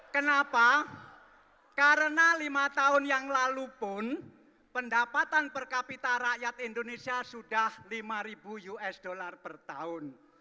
kenapa karena lima tahun yang lalu pun pendapatan per kapita rakyat indonesia sudah lima ribu usd per tahun